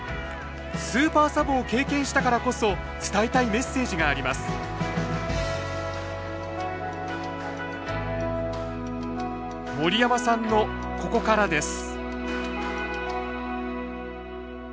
スーパーサブを経験したからこそ伝えたいメッセージがあります森山さんのここからです